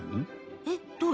えっどれ？